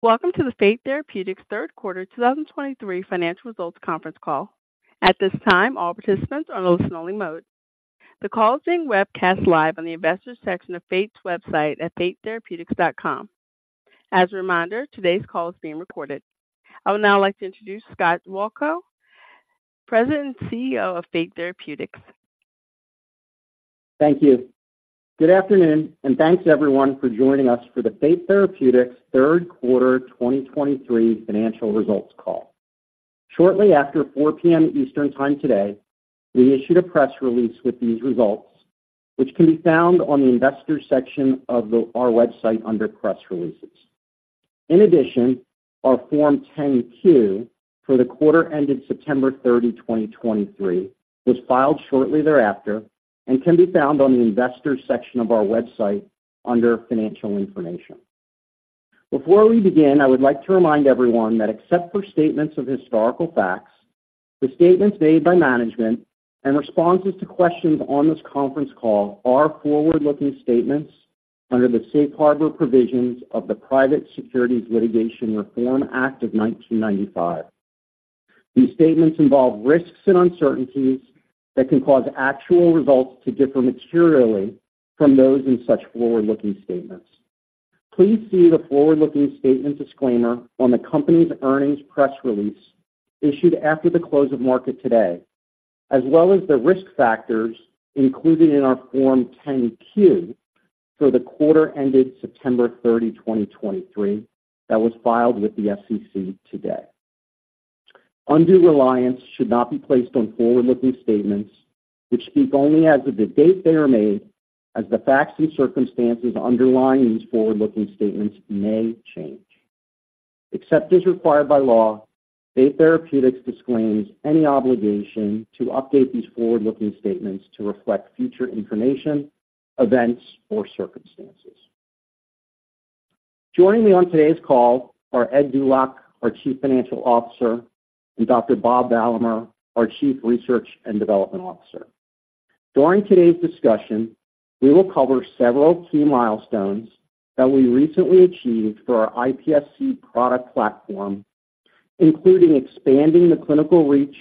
Welcome to the Fate Therapeutics third quarter 2023 financial results conference call. At this time, all participants are in listen-only mode. The call is being webcast live on the Investors section of Fate's website at fatetherapeutics.com. As a reminder, today's call is being recorded. I would now like to introduce Scott Wolchko, President and CEO of Fate Therapeutics. Thank you. Good afternoon, and thanks everyone for joining us for the Fate Therapeutics third quarter 2023 financial results call. Shortly after 4:00 P.M. Eastern Time today, we issued a press release with these results, which can be found on the Investors section of our website under Press Releases. In addition, our Form 10-Q for the quarter ended September 30, 2023, was filed shortly thereafter and can be found on the Investors section of our website under Financial Information. Before we begin, I would like to remind everyone that except for statements of historical facts, the statements made by management and responses to questions on this conference call are forward-looking statements under the safe harbor provisions of the Private Securities Litigation Reform Act of 1995. These statements involve risks and uncertainties that can cause actual results to differ materially from those in such forward-looking statements. Please see the forward-looking statements disclaimer on the company's earnings press release, issued after the close of market today, as well as the risk factors included in our Form 10-Q for the quarter ended September 30, 2023, that was filed with the SEC today. Undue reliance should not be placed on forward-looking statements, which speak only as of the date they are made, as the facts and circumstances underlying these forward-looking statements may change. Except as required by law, Fate Therapeutics disclaims any obligation to update these forward-looking statements to reflect future information, events, or circumstances. Joining me on today's call are Ed Dulac, our Chief Financial Officer, and Dr. Bob Valamehr, our Chief Research and Development Officer. During today's discussion, we will cover several key milestones that we recently achieved for our iPSC product platform, including expanding the clinical reach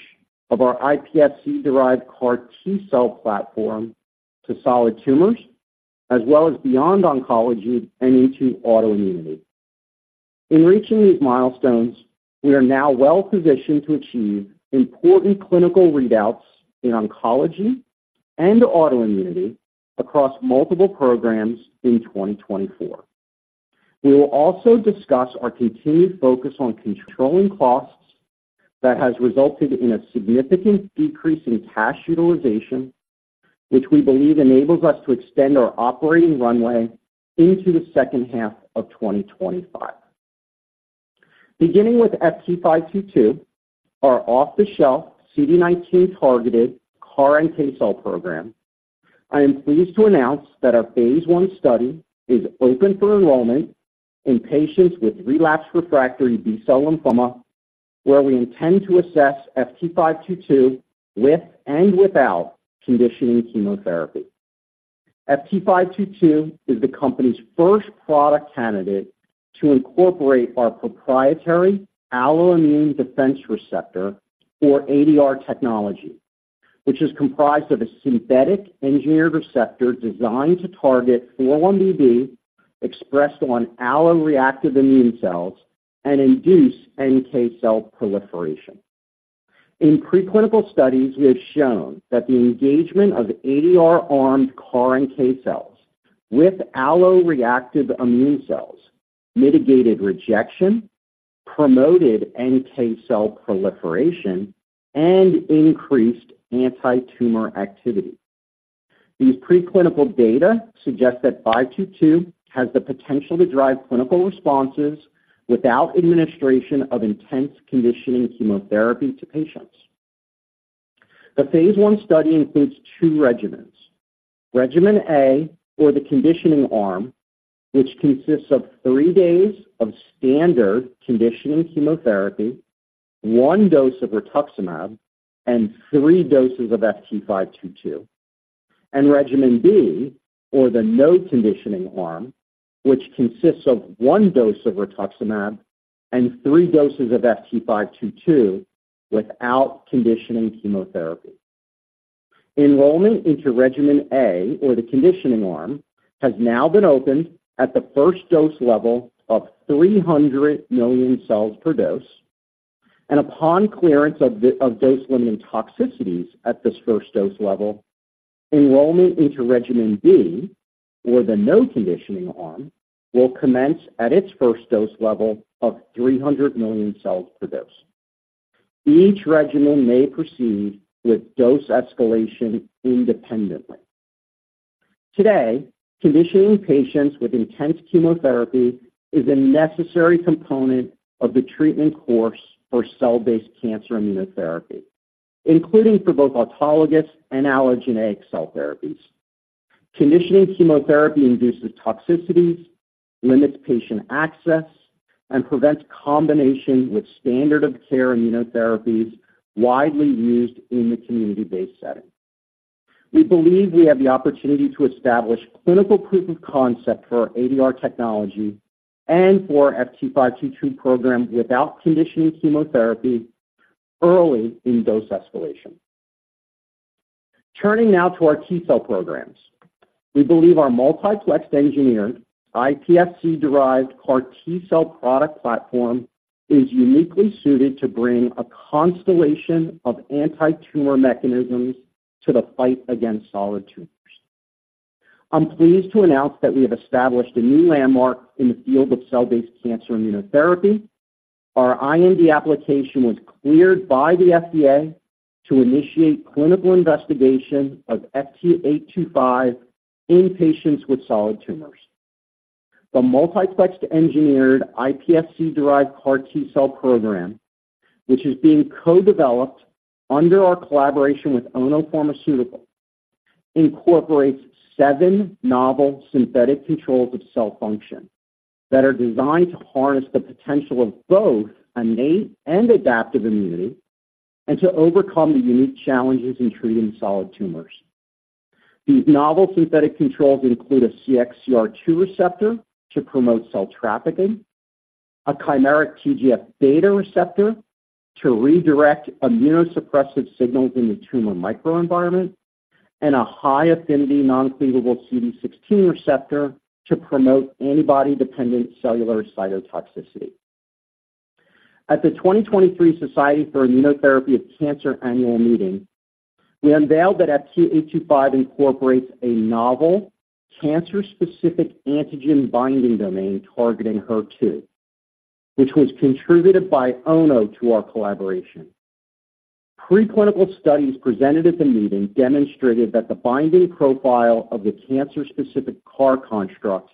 of our iPSC-derived CAR T-cell platform to solid tumors, as well as beyond oncology and into autoimmunity. In reaching these milestones, we are now well positioned to achieve important clinical readouts in oncology and autoimmunity across multiple programs in 2024. We will also discuss our continued focus on controlling costs that has resulted in a significant decrease in cash utilization, which we believe enables us to extend our operating runway into the second half of 2025. Beginning with FT522, our off-the-shelf CD19-targeted CAR NK cell program, I am pleased to announce that our phase 1 study is open for enrollment in patients with relapsed refractory B-cell lymphoma, where we intend to assess FT522 with and without conditioning chemotherapy. FT522 is the company's first product candidate to incorporate our proprietary allogeneic defense receptor, or ADR technology, which is comprised of a synthetic engineered receptor designed to target 4-1BB, expressed on alloreactive immune cells and induce NK cell proliferation. In preclinical studies, we have shown that the engagement of ADR-armed CAR NK cells with alloreactive immune cells mitigated rejection, promoted NK cell proliferation, and increased antitumor activity. These preclinical data suggest that FT522 has the potential to drive clinical responses without administration of intense conditioning chemotherapy to patients. The phase 1 study includes two regimens. Regimen A, or the conditioning arm, which consists of 3 days of standard conditioning chemotherapy, 1 dose of rituximab, and 3 doses of FT522. Regimen B, or the no-conditioning arm, which consists of one dose of rituximab and three doses of FT522 without conditioning chemotherapy. Enrollment into regimen A, or the conditioning arm, has now been opened at the first dose level of 300 million cells per dose, and upon clearance of dose-limiting toxicities at this first dose level, enrollment into regimen B, or the no-conditioning arm, will commence at its first dose level of 300 million cells per dose. Each regimen may proceed with dose escalation independently. Today, conditioning patients with intense chemotherapy is a necessary component of the treatment course for cell-based cancer immunotherapy, including for both autologous and allogeneic cell therapies. Conditioning chemotherapy induces toxicities, limits patient access, and prevents combination with standard of care immunotherapies widely used in the community-based setting. We believe we have the opportunity to establish clinical proof of concept for our ADR technology and for our FT522 program without conditioning chemotherapy early in dose escalation. Turning now to our T-cell programs. We believe our multiplexed engineered iPSC-derived CAR T-cell product platform is uniquely suited to bring a constellation of antitumor mechanisms to the fight against solid tumors. I'm pleased to announce that we have established a new landmark in the field of cell-based cancer immunotherapy. Our IND application was cleared by the FDA to initiate clinical investigation of FT825 in patients with solid tumors. The multiplexed engineered iPSC-derived CAR T-cell program, which is being co-developed under our collaboration with Ono Pharmaceutical, incorporates seven novel synthetic controls of cell function that are designed to harness the potential of both innate and adaptive immunity, and to overcome the unique challenges in treating solid tumors. These novel synthetic controls include a CXCR2 receptor to promote cell trafficking, a chimeric TGF-beta receptor to redirect immunosuppressive signals in the tumor microenvironment, and a high-affinity, non-cleavable CD16 receptor to promote antibody-dependent cellular cytotoxicity. At the 2023 Society for Immunotherapy of Cancer Annual Meeting, we unveiled that FT825 incorporates a novel cancer-specific antigen binding domain targeting HER2, which was contributed by Ono to our collaboration. Preclinical studies presented at the meeting demonstrated that the binding profile of the cancer-specific CAR construct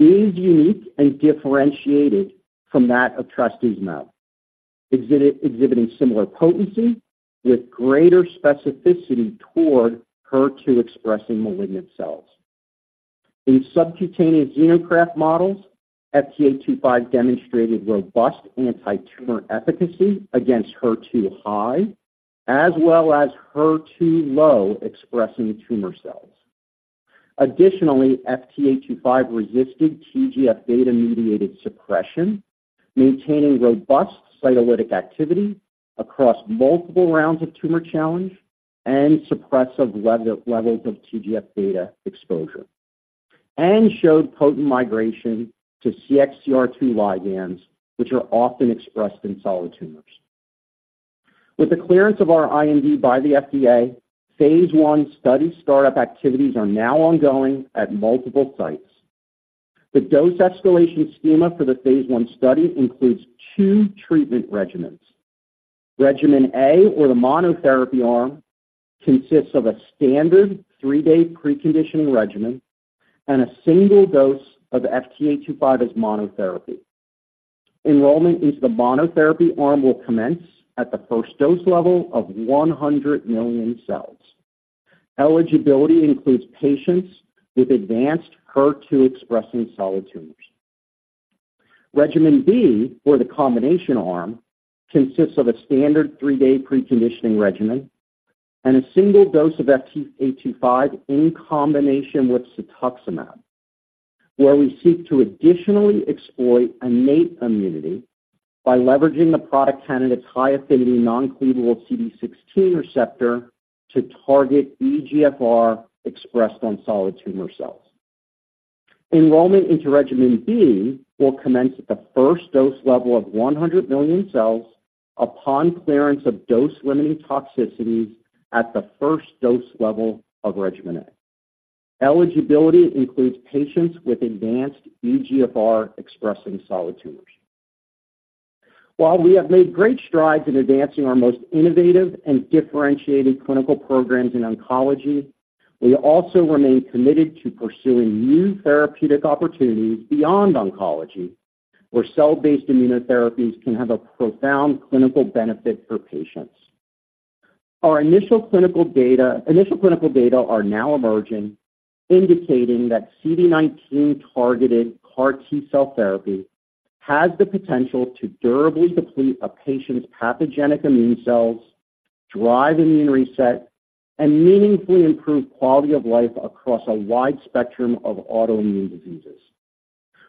is unique and differentiated from that of trastuzumab, exhibiting similar potency with greater specificity toward HER2-expressing malignant cells. In subcutaneous xenograft models, FT825 demonstrated robust antitumor efficacy against HER2 high, as well as HER2 low-expressing tumor cells. Additionally, FT825 resisted TGF-beta-mediated suppression, maintaining robust cytolytic activity across multiple rounds of tumor challenge and suppressive levels of TGF-beta exposure, and showed potent migration to CXCR2 ligands, which are often expressed in solid tumors. With the clearance of our IND by the FDA, phase I study start-up activities are now ongoing at multiple sites. The dose escalation schema for the phase I study includes two treatment regimens. Regimen A, or the monotherapy arm, consists of a standard three-day preconditioning regimen and a single dose of FT825 as monotherapy. Enrollment into the monotherapy arm will commence at the first dose level of 100 million cells. Eligibility includes patients with advanced HER2-expressing solid tumors. Regimen B, or the combination arm, consists of a standard three-day preconditioning regimen and a single dose of FT825 in combination with cetuximab, where we seek to additionally exploit innate immunity by leveraging the product candidate's high-affinity, non-cleavable CD16 receptor to target EGFR expressed on solid tumor cells. Enrollment into regimen B will commence at the first dose level of 100 million cells upon clearance of dose-limiting toxicities at the first dose level of regimen A. Eligibility includes patients with advanced EGFR-expressing solid tumors. While we have made great strides in advancing our most innovative and differentiated clinical programs in oncology, we also remain committed to pursuing new therapeutic opportunities beyond oncology, where cell-based immunotherapies can have a profound clinical benefit for patients. Our initial clinical data are now emerging, indicating that CD19-targeted CAR T-cell therapy has the potential to durably deplete a patient's pathogenic immune cells, drive immune reset, and meaningfully improve quality of life across a wide spectrum of autoimmune diseases.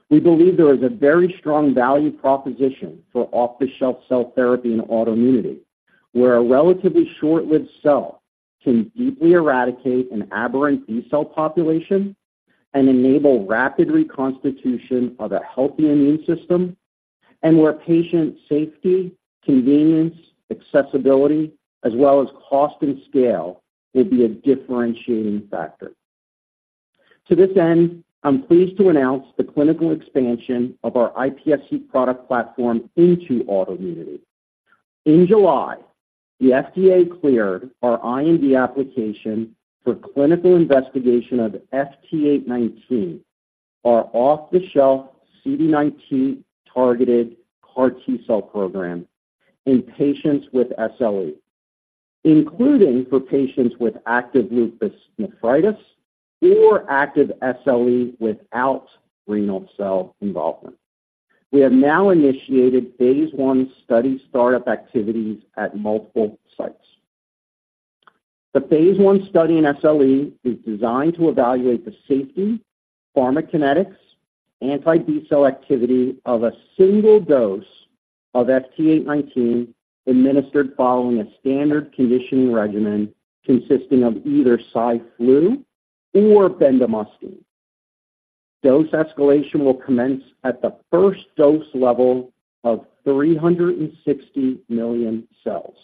We believe there is a very strong value proposition for off-the-shelf cell therapy in autoimmunity, where a relatively short-lived cell can deeply eradicate an aberrant B-cell population and enable rapid reconstitution of a healthy immune system, and where patient safety, convenience, accessibility, as well as cost and scale, will be a differentiating factor. To this end, I'm pleased to announce the clinical expansion of our iPSC product platform into autoimmunity. In July, the FDA cleared our IND application for clinical investigation of FT819, our off-the-shelf CD19-targeted CAR T-cell program, in patients with SLE, including for patients with active lupus nephritis or active SLE without renal cell involvement.... We have now initiated phase 1 study start-up activities at multiple sites. The phase 1 study in SLE is designed to evaluate the safety, pharmacokinetics, anti-B-cell activity of a single dose of FT819 administered following a standard conditioning regimen consisting of either CyFlu or bendamustine. Dose escalation will commence at the first dose level of 360 million cells.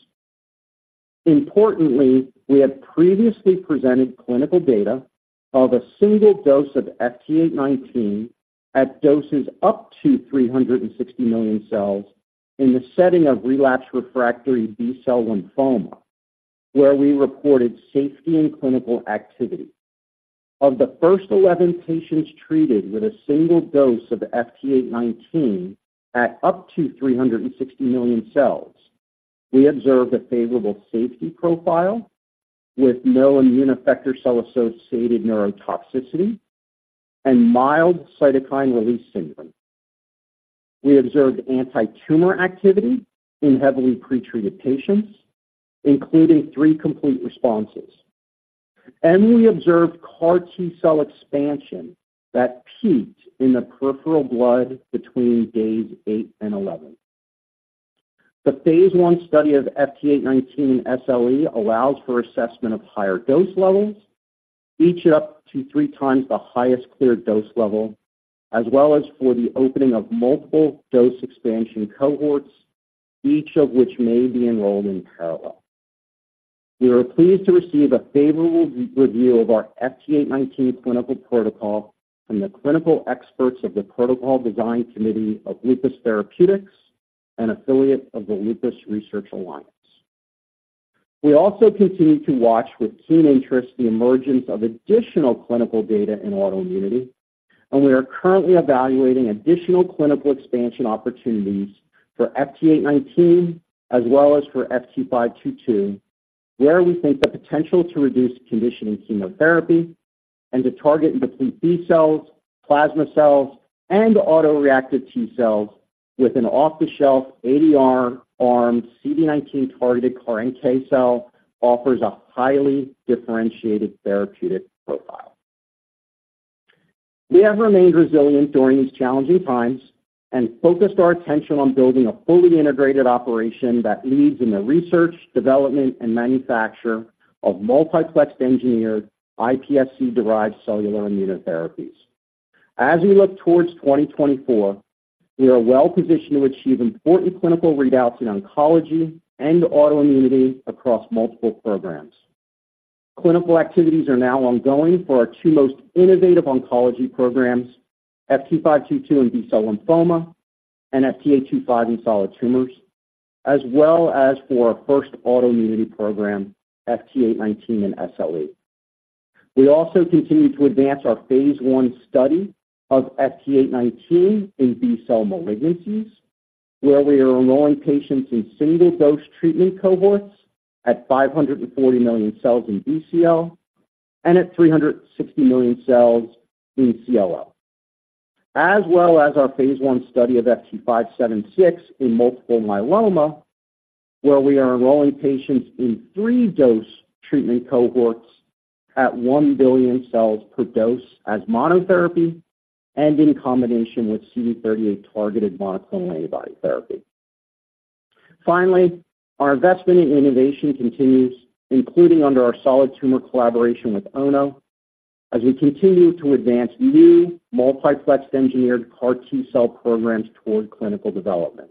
Importantly, we have previously presented clinical data of a single dose of FT819 at doses up to 360 million cells in the setting of relapsed refractory B-cell lymphoma, where we reported safety and clinical activity. Of the first 11 patients treated with a single dose of FT819 at up to 360 million cells, we observed a favorable safety profile with no immune effector cell-associated neurotoxicity and mild cytokine release syndrome. We observed antitumor activity in heavily pretreated patients, including 3 complete responses, and we observed CAR T cell expansion that peaked in the peripheral blood between days 8 and 11. The phase 1 study of FT819 in SLE allows for assessment of higher dose levels, each up to 3 times the highest cleared dose level, as well as for the opening of multiple dose expansion cohorts, each of which may be enrolled in parallel. We are pleased to receive a favorable re-review of our FT819 clinical protocol from the clinical experts of the Protocol Design Committee of Lupus Therapeutics, an affiliate of the Lupus Research Alliance. We also continue to watch with keen interest the emergence of additional clinical data in autoimmunity, and we are currently evaluating additional clinical expansion opportunities for FT819, as well as for FT522, where we think the potential to reduce conditioning chemotherapy and to target and complete B cells, plasma cells, and autoreactive T cells with an off-the-shelf ADR-armed CD19 targeted CAR NK cell offers a highly differentiated therapeutic profile. We have remained resilient during these challenging times and focused our attention on building a fully integrated operation that leads in the research, development, and manufacture of multiplexed engineered iPSC-derived cellular immunotherapies. As we look towards 2024, we are well positioned to achieve important clinical readouts in oncology and autoimmunity across multiple programs. Clinical activities are now ongoing for our two most innovative oncology programs, FT522 in B-cell lymphoma and FT825 in solid tumors, as well as for our first autoimmunity program, FT819 in SLE. We also continue to advance our phase 1 study of FT819 in B-cell malignancies, where we are enrolling patients in single-dose treatment cohorts at 540 million cells in BCL and at 360 million cells in CLL. As well as our phase 1 study of FT576 in multiple myeloma, where we are enrolling patients in three-dose treatment cohorts at 1 billion cells per dose as monotherapy and in combination with CD38 targeted monoclonal antibody therapy. Finally, our investment in innovation continues, including under our solid tumor collaboration with Ono, as we continue to advance new multiplexed engineered CAR T cell programs toward clinical development.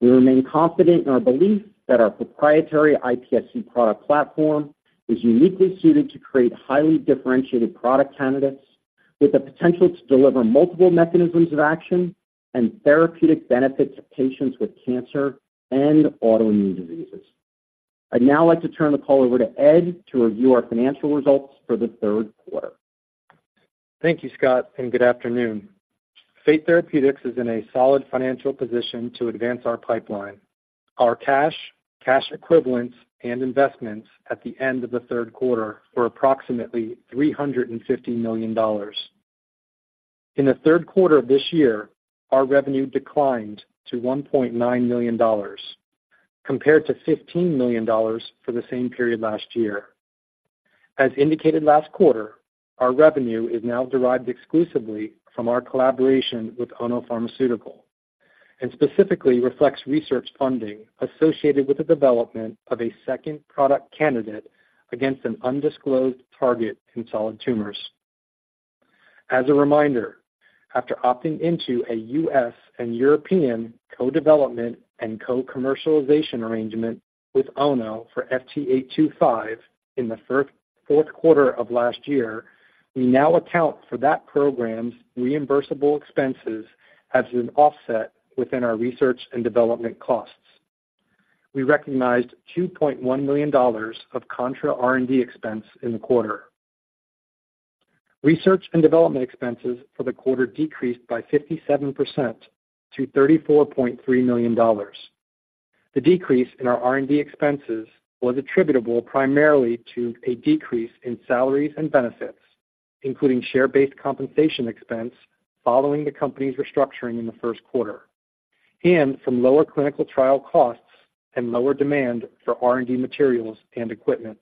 We remain confident in our belief that our proprietary iPSC product platform is uniquely suited to create highly differentiated product candidates with the potential to deliver multiple mechanisms of action and therapeutic benefit to patients with cancer and autoimmune diseases. I'd now like to turn the call over to Ed to review our financial results for the third quarter. Thank you, Scott, and good afternoon. Fate Therapeutics is in a solid financial position to advance our pipeline. Our cash, cash equivalents, and investments at the end of the third quarter were approximately $350 million. In the third quarter of this year, our revenue declined to $1.9 million, compared to $15 million for the same period last year. As indicated last quarter, our revenue is now derived exclusively from our collaboration with Ono Pharmaceutical and specifically reflects research funding associated with the development of a second product candidate against an undisclosed target in solid tumors. As a reminder, after opting into a U.S. and European co-development and co-commercialization arrangement with Ono for FT825 in the fourth quarter of last year, we now account for that program's reimbursable expenses as an offset within our research and development costs. We recognized $2.1 million of contra R&D expense in the quarter. Research and development expenses for the quarter decreased by 57% to $34.3 million. The decrease in our R&D expenses was attributable primarily to a decrease in salaries and benefits, including share-based compensation expense, following the company's restructuring in the first quarter, and from lower clinical trial costs and lower demand for R&D materials and equipment.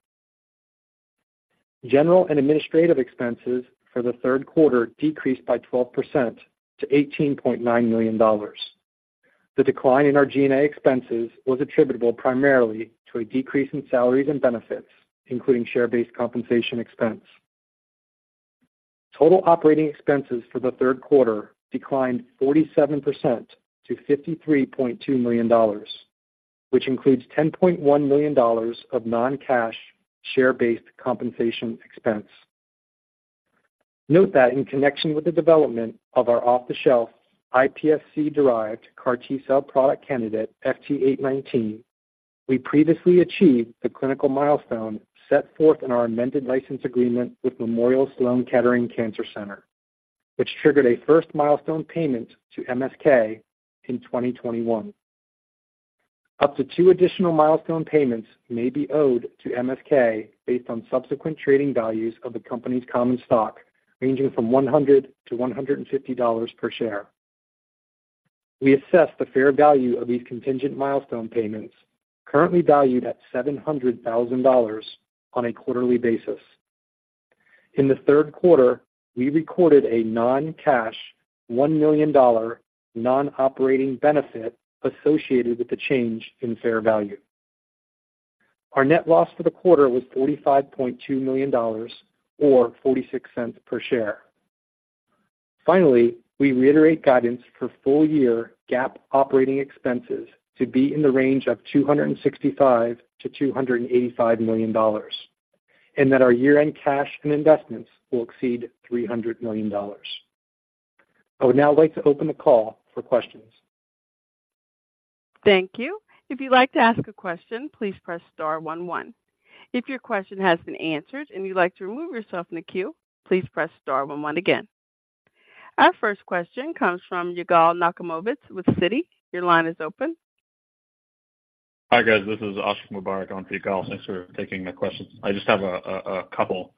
General and administrative expenses for the third quarter decreased by 12% to $18.9 million. The decline in our G&A expenses was attributable primarily to a decrease in salaries and benefits, including share-based compensation expense. Total operating expenses for the third quarter declined 47% to $53.2 million, which includes $10.1 million of non-cash share-based compensation expense. Note that in connection with the development of our off-the-shelf iPSC-derived CAR T-cell product candidate, FT819, we previously achieved the clinical milestone set forth in our amended license agreement with Memorial Sloan Kettering Cancer Center, which triggered a first milestone payment to MSK in 2021. Up to two additional milestone payments may be owed to MSK based on subsequent trading values of the company's common stock, ranging from $100-$150 per share. We assess the fair value of these contingent milestone payments, currently valued at $700,000, on a quarterly basis. In the third quarter, we recorded a non-cash $1 million non-operating benefit associated with the change in fair value. Our net loss for the quarter was $45.2 million, or $0.46 per share. Finally, we reiterate guidance for full-year GAAP operating expenses to be in the range of $265 million-$285 million, and that our year-end cash and investments will exceed $300 million. I would now like to open the call for questions. Thank you. If you'd like to ask a question, please press star one, one. If your question has been answered and you'd like to remove yourself from the queue, please press star one one again. Our first question comes from Yigal Nochomovitz with Citi. Your line is open. Hi, guys. This is Ashiq Mubarack on for Yigal. Thanks for taking my questions. I just have a couple.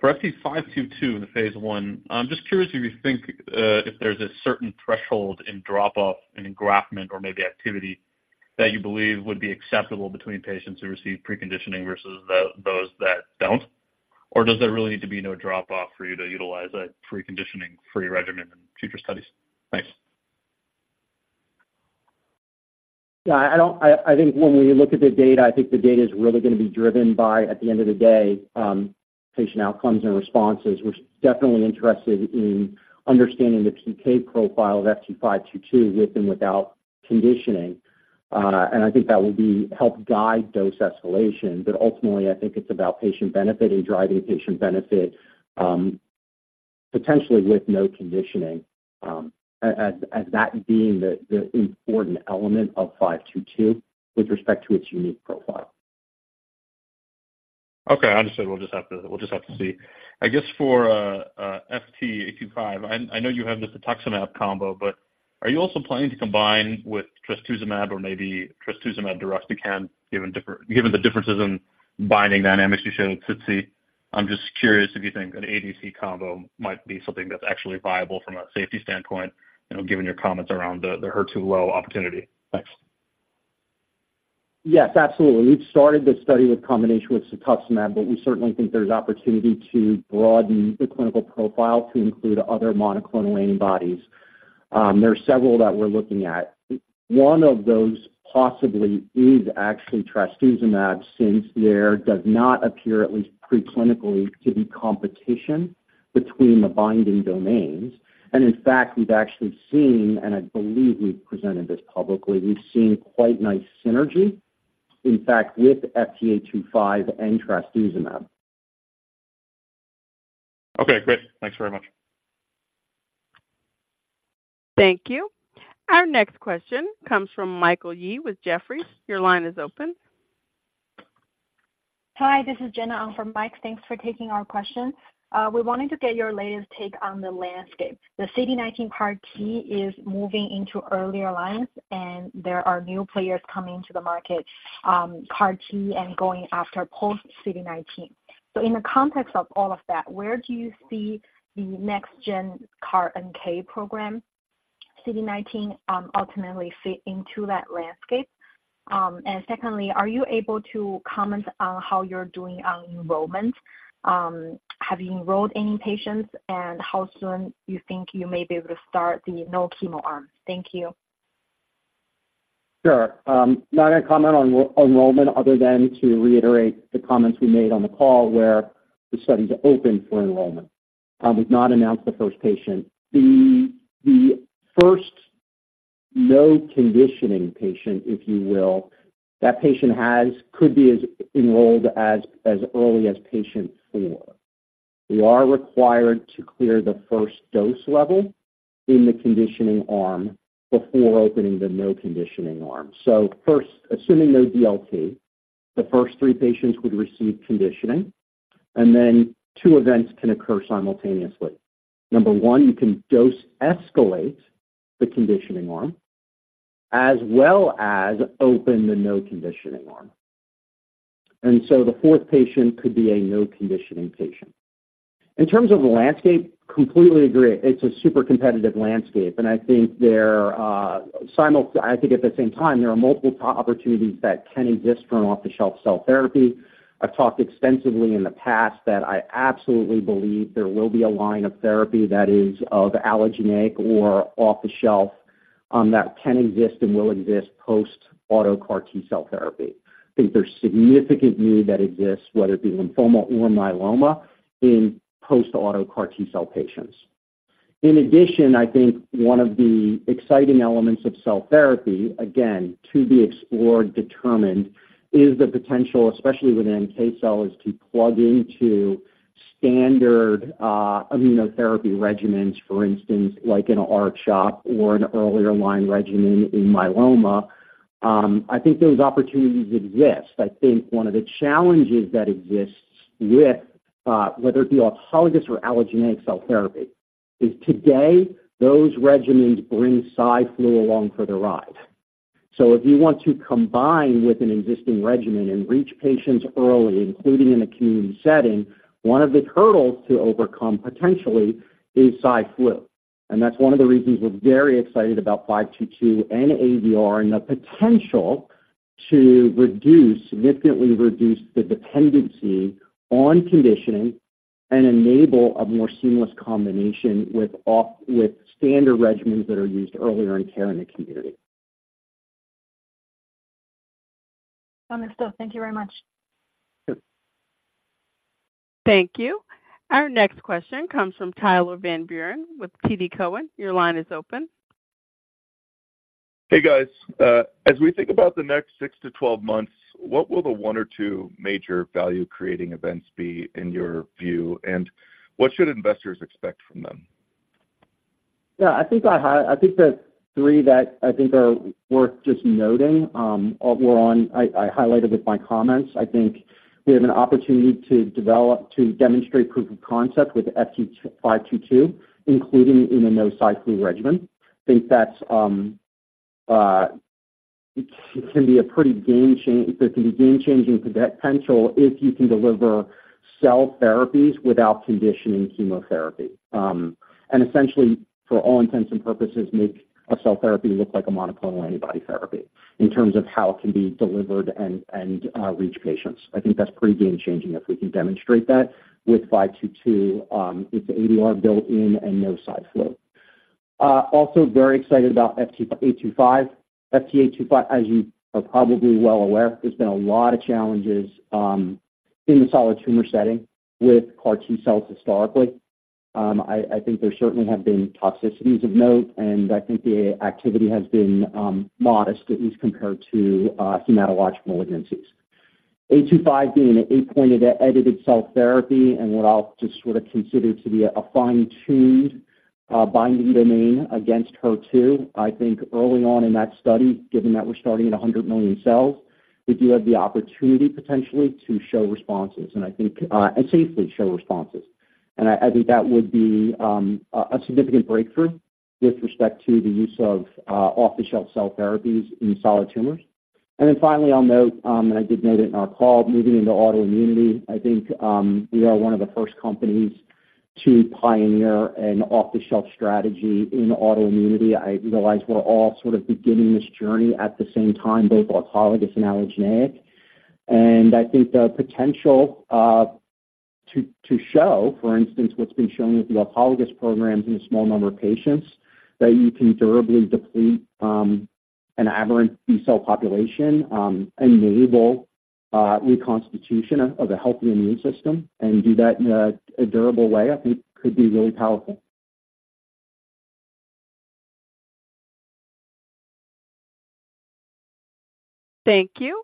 For FT522 in the phase 1, I'm just curious if you think if there's a certain threshold in drop-off in engraftment or maybe activity that you believe would be acceptable between patients who receive preconditioning versus those that don't? Or does there really need to be no drop-off for you to utilize a preconditioning free regimen in future studies? Thanks. Yeah, I don't... I think when we look at the data, I think the data is really gonna be driven by, at the end of the day, patient outcomes and responses. We're definitely interested in understanding the PK profile of FT522, with and without conditioning. And I think that will be help guide dose escalation, but ultimately, I think it's about patient benefit and driving patient benefit, potentially with no conditioning, as that being the important element of FT522, with respect to its unique profile. Okay, understood. We'll just have to see. I guess, for FT825, I know you have the cetuximab combo, but are you also planning to combine with trastuzumab or maybe trastuzumab deruxtecan, given the differences in binding dynamics you showed with SITC? I'm just curious if you think an ADC combo might be something that's actually viable from a safety standpoint, you know, given your comments around the HER2 low opportunity. Thanks. Yes, absolutely. We've started this study with combination with cetuximab, but we certainly think there's opportunity to broaden the clinical profile to include other monoclonal antibodies. There are several that we're looking at. One of those possibly is actually trastuzumab, since there does not appear, at least pre-clinically, to be competition between the binding domains. And in fact, we've actually seen, and I believe we've presented this publicly, we've seen quite nice synergy, in fact, with FT825 and trastuzumab. Okay, great. Thanks very much. Thank you. Our next question comes from Michael Yee with Jefferies. Your line is open. Hi, this is Jenna on for Mike. Thanks for taking our question. We wanted to get your latest take on the landscape. The CD19 CAR T is moving into earlier lines, and there are new players coming to the market, CAR T and going after post-CD19. So in the context of all of that, where do you see the next-gen CAR NK program, CD19, ultimately fit into that landscape? And secondly, are you able to comment on how you're doing on enrollment? Have you enrolled any patients, and how soon you think you may be able to start the no chemo arm? Thank you. Sure. I'm not gonna comment on enrollment other than to reiterate the comments we made on the call, where the study is open for enrollment. We've not announced the first patient. The first no conditioning patient, if you will, that patient could be as enrolled as early as patient 4. We are required to clear the first dose level in the conditioning arm before opening the no conditioning arm. So first, assuming no DLT, the first 3 patients would receive conditioning. ...Then two events can occur simultaneously. Number one, you can dose escalate the conditioning arm as well as open the no conditioning arm. And so the fourth patient could be a no conditioning patient. In terms of the landscape, completely agree. It's a super competitive landscape, and I think there, I think at the same time, there are multiple opportunities that can exist for an off-the-shelf cell therapy. I've talked extensively in the past that I absolutely believe there will be a line of therapy that is of allogeneic or off the shelf, that can exist and will exist post auto CAR T-cell therapy. I think there's significant need that exists, whether it be lymphoma or myeloma, in post-auto CAR T-cell patients. In addition, I think one of the exciting elements of cell therapy, again, to be explored, determined, is the potential, especially with NK cell, is to plug into standard, immunotherapy regimens, for instance, like in a R-CHOP or an earlier line regimen in myeloma. I think those opportunities exist. I think one of the challenges that exists with, whether it be autologous or allogeneic cell therapy, is today, those regimens bring cyflu along for the ride. So if you want to combine with an existing regimen and reach patients early, including in a community setting, one of the hurdles to overcome potentially is cyflu. That's one of the reasons we're very excited about FT522 and ADR and the potential to reduce, significantly reduce the dependency on conditioning and enable a more seamless combination with standard regimens that are used earlier in care in the community. Understood. Thank you very much. Yep. Thank you. Our next question comes from Tyler Van Buren with TD Cowen. Your line is open. Hey, guys. As we think about the next 6-12 months, what will the one or two major value-creating events be in your view? And what should investors expect from them? Yeah, I think the three that I think are worth just noting were on... I highlighted with my comments. I think we have an opportunity to develop, to demonstrate proof of concept with FT522, including in a no cyflu regimen. I think that's it can be a pretty game-changing potential if you can deliver cell therapies without conditioning chemotherapy. And essentially, for all intents and purposes, make a cell therapy look like a monoclonal antibody therapy in terms of how it can be delivered and reach patients. I think that's pretty game-changing if we can demonstrate that with FT522, with the ADR built in and no cyflu. Also very excited about FT825. FT825, as you are probably well aware, there's been a lot of challenges in the solid tumor setting with CAR T cells historically. I think there certainly have been toxicities of note, and I think the activity has been modest, at least compared to hematological malignancies. 825 being an 8-point edited cell therapy and what I'll just sort of consider to be a fine-tuned binding domain against HER2. I think early on in that study, given that we're starting at 100 million cells, we do have the opportunity potentially to show responses, and I think and safely show responses. I think that would be a significant breakthrough with respect to the use of off-the-shelf cell therapies in solid tumors. And then finally, I'll note, and I did note it in our call, moving into autoimmunity, I think, we are one of the first companies to pioneer an off-the-shelf strategy in autoimmunity. I realize we're all sort of beginning this journey at the same time, both autologous and allogeneic. I think the potential to show, for instance, what's been shown with the autologous programs in a small number of patients, that you can durably deplete an aberrant B-cell population, enable reconstitution of the healthy immune system and do that in a durable way, I think could be really powerful. Thank you.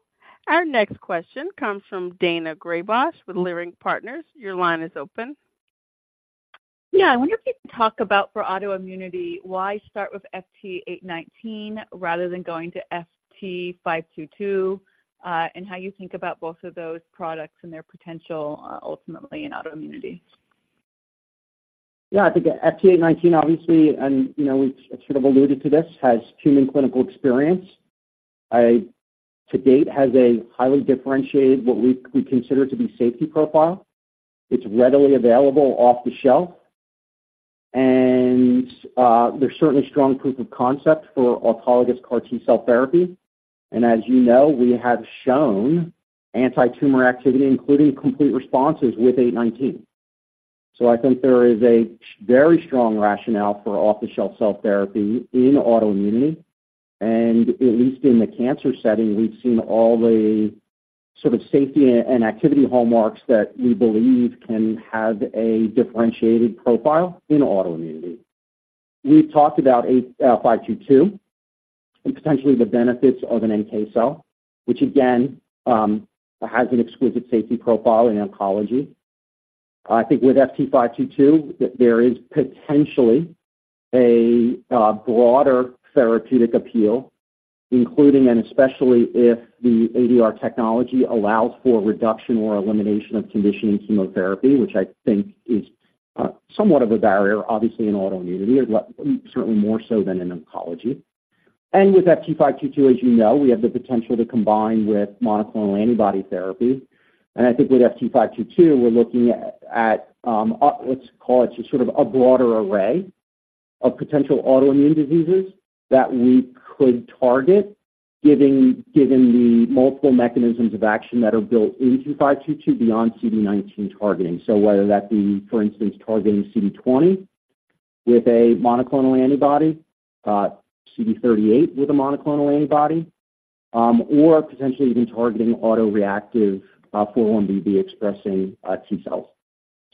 Our next question comes from Dana Graybosch with Leerink Partners. Your line is open. Yeah. I wonder if you can talk about for autoimmunity, why start with FT819 rather than going to FT522, and how you think about both of those products and their potential, ultimately in autoimmunity? Yeah, I think the FT819, obviously, and, you know, we've sort of alluded to this, has human clinical experience. To date, has a highly differentiated, what we, we consider to be safety profile. It's readily available off-the-shelf, and, there's certainly strong proof of concept for autologous CAR T-cell therapy. And as you know, we have shown antitumor activity, including complete responses with FT819. So I think there is a very strong rationale for off-the-shelf cell therapy in autoimmunity, and at least in the cancer setting, we've seen all the sort of safety and, and activity hallmarks that we believe can have a differentiated profile in autoimmunity. We've talked about FT522 and potentially the benefits of an NK cell, which again, has an exquisite safety profile in oncology. I think with FT522, there is potentially a broader therapeutic appeal, including, and especially if the ADR technology allows for reduction or elimination of conditioning chemotherapy, which I think is somewhat of a barrier, obviously in autoimmunity, or certainly more so than in oncology. And with FT522, as you know, we have the potential to combine with monoclonal antibody therapy. And I think with FT522, we're looking at, let's call it sort of a broader array of potential autoimmune diseases that we could target, given the multiple mechanisms of action that are built into 522 beyond CD19 targeting. So whether that be, for instance, targeting CD20 with a monoclonal antibody, CD38 with a monoclonal antibody, or potentially even targeting autoreactive 4-1BB expressing T cells.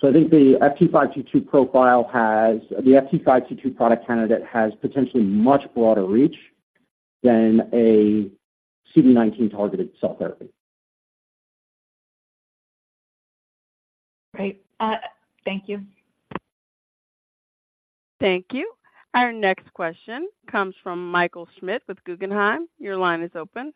I think the FT522 profile has, the FT522 product candidate has potentially much broader reach than a CD19-targeted cell therapy. Great. Thank you. Thank you. Our next question comes from Michael Schmidt with Guggenheim. Your line is open.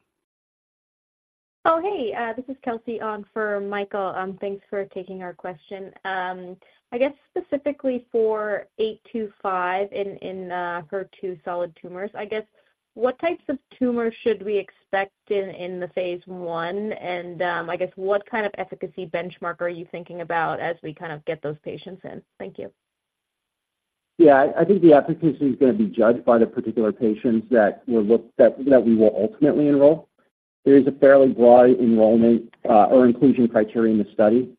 Oh, hey, this is Kelsey on for Michael. Thanks for taking our question. I guess specifically for 825 in HER2 solid tumors, I guess, what types of tumors should we expect in the phase one? I guess, what kind of efficacy benchmark are you thinking about as we kind of get those patients in? Thank you. Yeah, I think the efficacy is gonna be judged by the particular patients that we will ultimately enroll. There is a fairly broad enrollment or inclusion criteria in the study.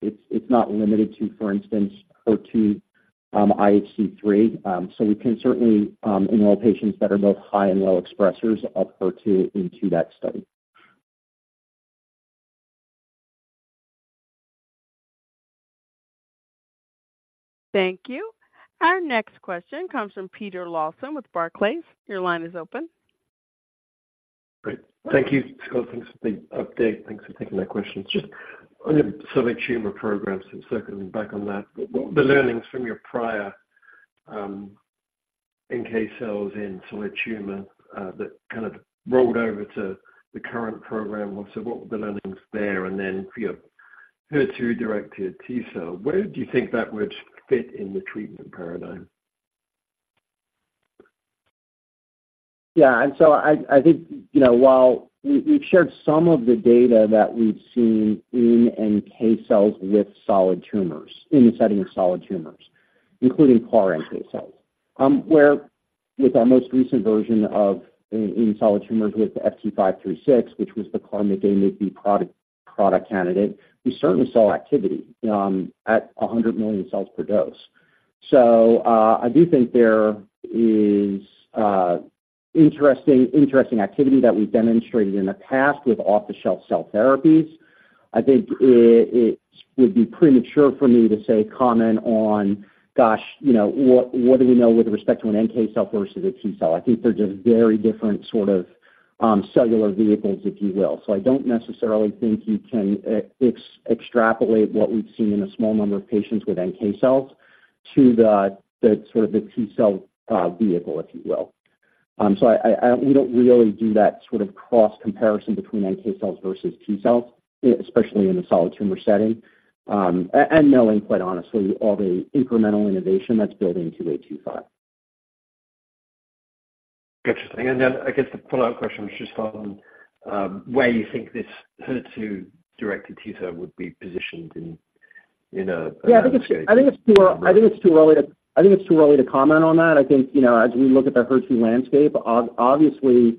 It's not limited to, for instance, HER2 IHC 3. So we can certainly enroll patients that are both high and low expressers of HER2 into that study. Thank you. Our next question comes from Peter Lawson with Barclays. Your line is open. Great. Thank you, Scott. Thanks for the update. Thanks for taking my questions. Just on your solid tumor programs, and circling back on that, what were the learnings from your prior NK cells in solid tumor that kind of rolled over to the current program? So what were the learnings there? And then for your HER2-directed T-cell, where do you think that would fit in the treatment paradigm? Yeah, and so I think, you know, while we've shared some of the data that we've seen in NK cells with solid tumors, in the setting of solid tumors, including CAR NK cells, where with our most recent version in solid tumors with FT536, which was the CAR MICA/B product candidate, we certainly saw activity at 100 million cells per dose. So, I do think there is interesting, interesting activity that we've demonstrated in the past with off-the-shelf cell therapies. I think it would be premature for me to say, comment on, gosh, you know, what, what do we know with respect to an NK cell versus a T cell? I think they're just very different sort of cellular vehicles, if you will. So I don't necessarily think you can extrapolate what we've seen in a small number of patients with NK cells to the sort of T-cell vehicle, if you will. So we don't really do that sort of cross comparison between NK cells versus T cells, especially in a solid tumor setting, and knowing, quite honestly, all the incremental innovation that's built into FT825. Interesting. Then I guess the follow-up question was just on where you think this HER2-directed T-cell would be positioned in a- Yeah, I think it's too early to comment on that. I think, you know, as we look at the HER2 landscape, obviously, you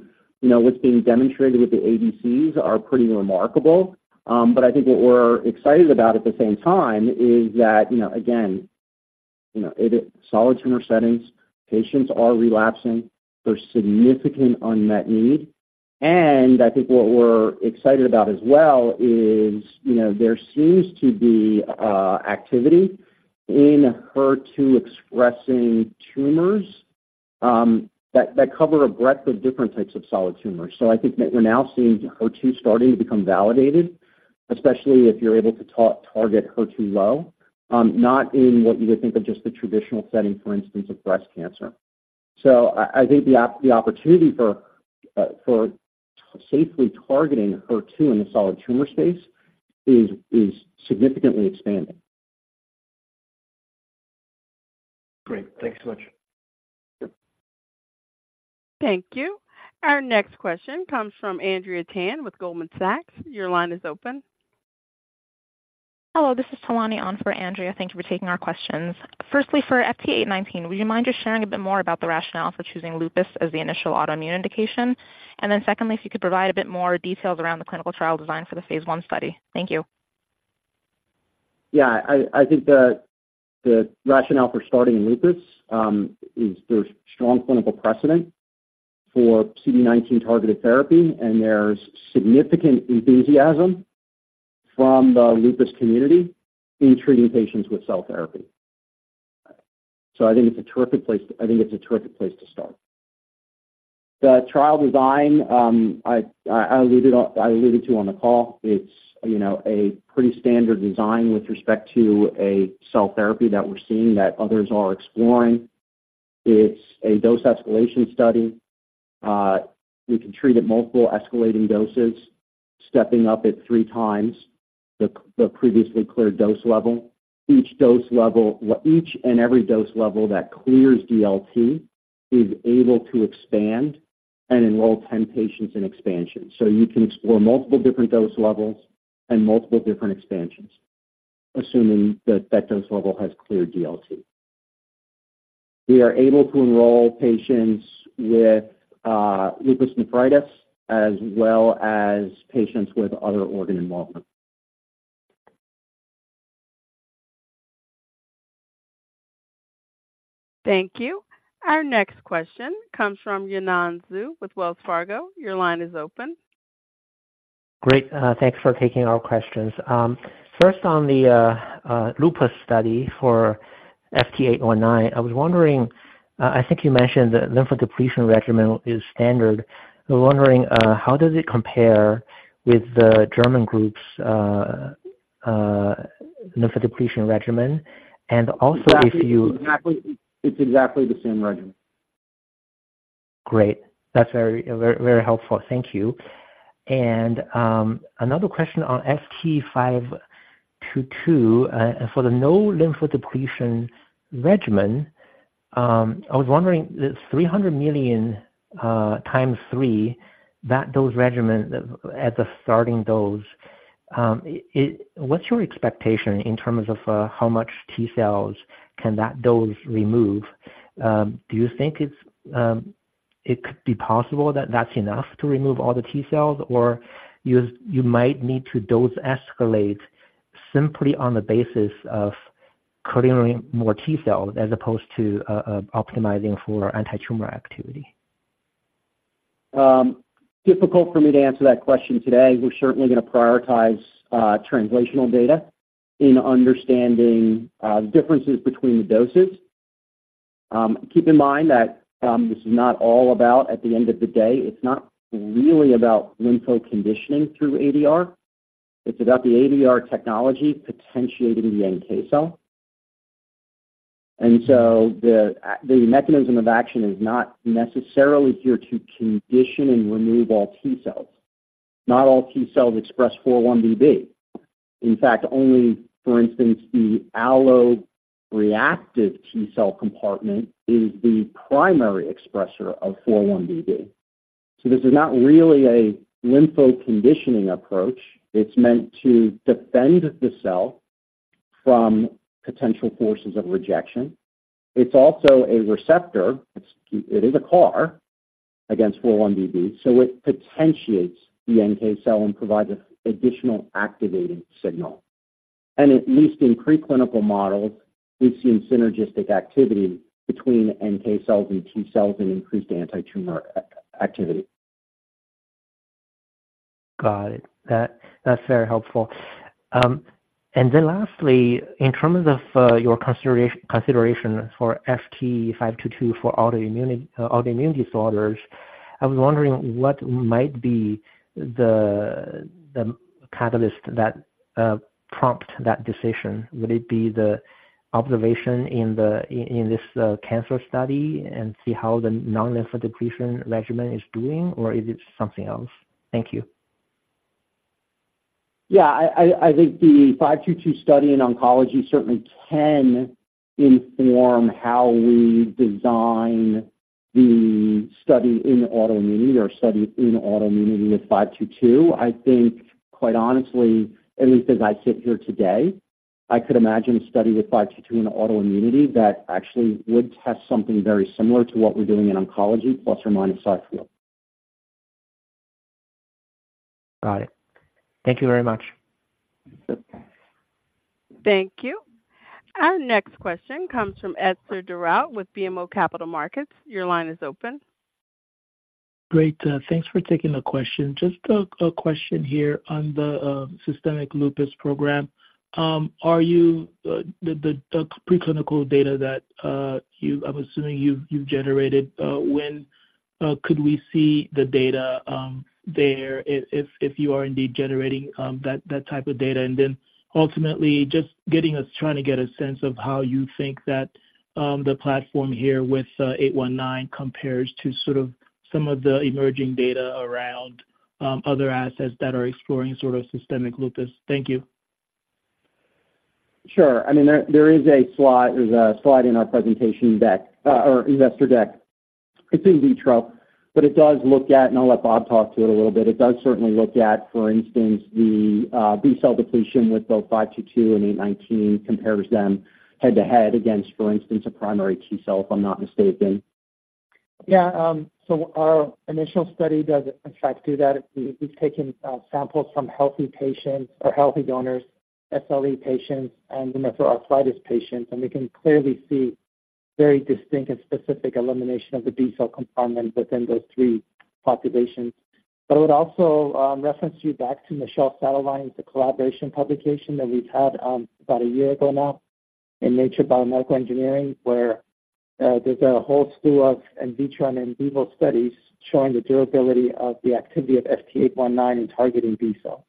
know, what's being demonstrated with the ADCs are pretty remarkable. But I think what we're excited about at the same time is that, you know, again, you know, in a solid tumor settings, patients are relapsing. There's significant unmet need, and I think what we're excited about as well is, you know, there seems to be activity in HER2 expressing tumors that cover a breadth of different types of solid tumors. I think that we're now seeing HER2 starting to become validated, especially if you're able to target HER2 low, not in what you would think of just the traditional setting, for instance, of breast cancer. I think the opportunity for safely targeting HER2 in the solid tumor space is significantly expanding. Great. Thanks so much. Thank you. Our next question comes from Andrea Tan with Goldman Sachs. Your line is open. Hello, this is Talani on for Andrea. Thank you for taking our questions. Firstly, for FT819, would you mind just sharing a bit more about the rationale for choosing lupus as the initial autoimmune indication? And then secondly, if you could provide a bit more details around the clinical trial design for the phase 1 study. Thank you. Yeah, I think the rationale for starting in lupus is there's strong clinical precedent for CD19-targeted therapy, and there's significant enthusiasm from the lupus community in treating patients with cell therapy. So I think it's a terrific place, I think it's a terrific place to start. The trial design, I alluded to on the call, it's, you know, a pretty standard design with respect to a cell therapy that we're seeing, that others are exploring. It's a dose escalation study. We can treat at multiple escalating doses, stepping up at 3 times the previously cleared dose level. Each dose level, well, each and every dose level that clears DLT is able to expand and enroll 10 patients in expansion. So you can explore multiple different dose levels and multiple different expansions, assuming that that dose level has cleared DLT. We are able to enroll patients with lupus nephritis as well as patients with other organ involvement. Thank you. Our next question comes from Yannan Xu with Wells Fargo. Your line is open. Great, thanks for taking our questions. First, on the lupus study for FT819, I was wondering, I think you mentioned that lymphodepletion regimen is standard. I'm wondering, how does it compare with the German group's lymphodepletion regimen? And also, if you- Exactly. It's exactly the same regimen. Great. That's very, very helpful. Thank you. Another question on FT522. For the no lymphodepletion regimen, I was wondering, the 300 million times three, that dose regimen as a starting dose. What's your expectation in terms of, how much T cells can that dose remove? Do you think it's, it could be possible that that's enough to remove all the T cells, or you might need to dose escalate simply on the basis of clearing more T cells as opposed to, optimizing for antitumor activity? Difficult for me to answer that question today. We're certainly going to prioritize translational data in understanding the differences between the doses. Keep in mind that this is not all about, at the end of the day, it's not really about lympho-conditioning through ADR. It's about the ADR technology potentiating the NK cell. And so the mechanism of action is not necessarily here to condition and remove all T cells. Not all T cells express 4-1BB. In fact, only, for instance, the alloreactive T cell compartment is the primary expressor of 4-1BB. So this is not really a lympho-conditioning approach. It's meant to defend the cell from potential forces of rejection. It's also a receptor. It is a CAR against 4-1BB, so it potentiates the NK cell and provides an additional activating signal. At least in preclinical models, we've seen synergistic activity between NK cells and T cells and increased antitumor activity. Got it. That, that's very helpful. And then lastly, in terms of your consideration for FT522 for autoimmune disorders, I was wondering, what might be the catalyst that prompt that decision? Would it be the observation in this cancer study and see how the non-lymphodepletion regimen is doing, or is it something else? Thank you. Yeah, I think the FT522 study in oncology certainly can inform how we design the study in autoimmunity or study in autoimmunity with FT522. I think, quite honestly, at least as I sit here today, I could imagine a study with FT522 in autoimmunity that actually would test something very similar to what we're doing in oncology, plus or minus cyclophosphamide. Got it. Thank you very much. Yep. Thank you. Our next question comes from Etzer Darout with BMO Capital Markets. Your line is open. Great. Thanks for taking the question. Just a question here on the systemic lupus program. Are you generating the preclinical data that, I'm assuming, you've generated, when could we see the data there, if you are indeed generating that type of data? And then ultimately, just trying to get a sense of how you think that the platform here with FT819 compares to sort of some of the emerging data around other assets that are exploring sort of systemic lupus. Thank you. Sure. I mean, there is a slide, there's a slide in our presentation deck or investor deck. It's in vitro, but it does look at... And I'll let Bob talk to it a little bit. It does certainly look at, for instance, the B-cell depletion with both 522 and 819, compares them head-to-head against, for instance, a primary T cell, if I'm not mistaken. Yeah, so our initial study does in fact do that. We've taken samples from healthy patients or healthy donors, SLE patients, and rheumatoid arthritis patients, and we can clearly see very distinct and specific elimination of the B-cell compartment within those three populations. But I would also reference you back to Michel Sadelain, it's a collaboration publication that we've had about a year ago now in Nature Biomedical Engineering, where there's a whole slew of in vitro and in vivo studies showing the durability of the activity of FT819 in targeting B cell.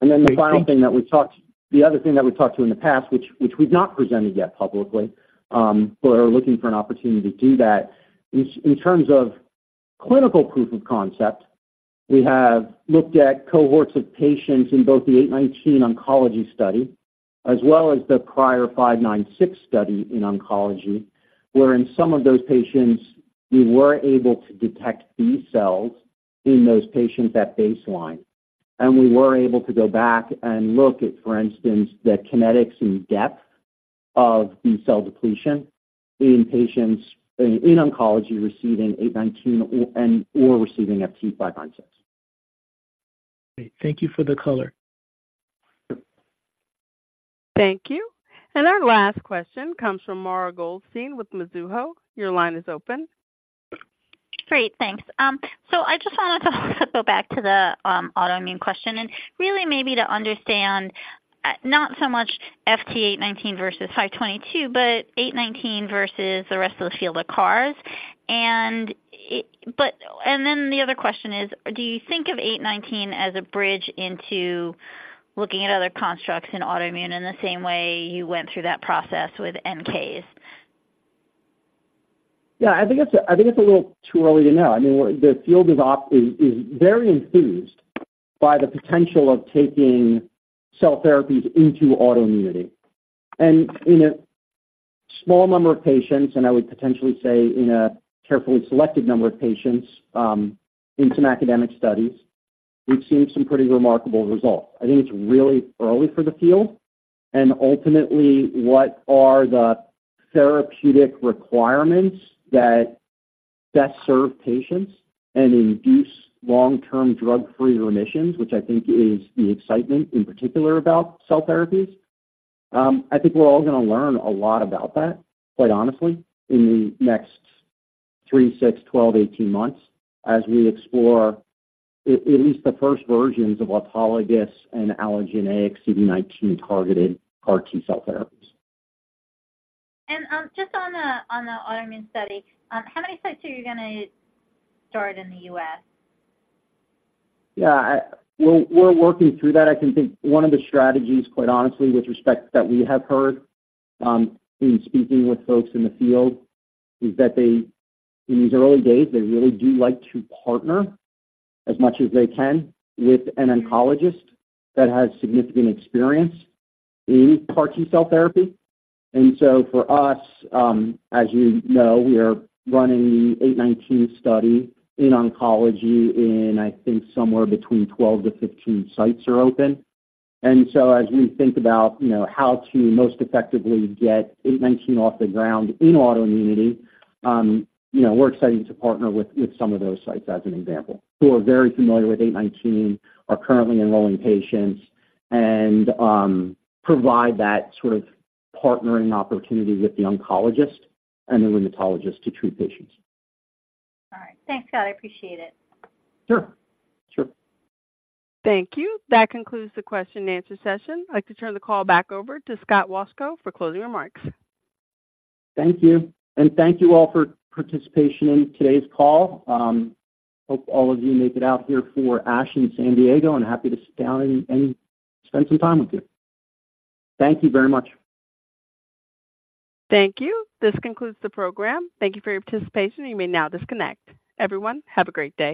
...And then the final thing that we talked, the other thing that we talked to in the past, which we've not presented yet publicly, but are looking for an opportunity to do that. In terms of clinical proof of concept, we have looked at cohorts of patients in both the 819 oncology study, as well as the prior 596 study in oncology, wherein some of those patients, we were able to detect B cells in those patients at baseline. And we were able to go back and look at, for instance, the kinetics and depth of the cell depletion in patients in oncology receiving 819 or receiving FT596. Great. Thank you for the color. Thank you. And our last question comes from Mara Goldstein with Mizuho. Your line is open. Great, thanks. So I just wanted to go back to the autoimmune question and really maybe to understand, not so much FT819 versus FT522, but FT819 versus the rest of the field of CARs. And it... But and then the other question is, do you think of FT819 as a bridge into looking at other constructs in autoimmune in the same way you went through that process with NKs? Yeah, I think it's, I think it's a little too early to know. I mean, the field is very enthused by the potential of taking cell therapies into autoimmunity. And in a small number of patients, and I would potentially say in a carefully selected number of patients, in some academic studies, we've seen some pretty remarkable results. I think it's really early for the field, and ultimately, what are the therapeutic requirements that best serve patients and induce long-term drug-free remissions, which I think is the excitement in particular about cell therapies. I think we're all gonna learn a lot about that, quite honestly, in the next three, six, 12, 18 months as we explore at least the first versions of autologous and allogeneic CD19-targeted CAR-T cell therapies. Just on the autoimmune study, how many sites are you gonna start in the U.S.? Yeah, we're working through that. I can think one of the strategies, quite honestly, with respect that we have heard, in speaking with folks in the field, is that they, in these early days, they really do like to partner as much as they can with an oncologist that has significant experience in CAR-T cell therapy. And so for us, as you know, we are running the FT819 study in oncology, and I think somewhere between 12-15 sites are open. And so as we think about, you know, how to most effectively get FT819 off the ground in autoimmunity, you know, we're excited to partner with some of those sites as an example, who are very familiar with FT819, are currently enrolling patients and provide that sort of partnering opportunity with the oncologist and the rheumatologist to treat patients. All right. Thanks, Scott. I appreciate it. Sure, sure. Thank you. That concludes the question and answer session. I'd like to turn the call back over to Scott Wolchko for closing remarks. Thank you, and thank you all for participation in today's call. Hope all of you make it out here for ASH in San Diego, and happy to sit down and spend some time with you. Thank you very much. Thank you. This concludes the program. Thank you for your participation. You may now disconnect. Everyone, have a great day.